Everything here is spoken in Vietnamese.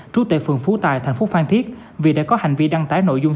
trú tại phường phú tài thành phố phan thiết vì đã có hành vi đăng tải nội dung